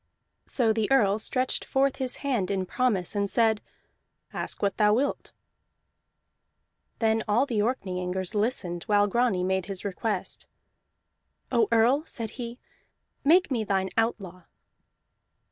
So the Earl stretched forth his hand in promise, and said: "Ask what thou wilt." Then all the Orkneyingers listened while Grani made his request. "Oh Earl," said he, "make me thine outlaw!"